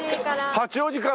八王子から。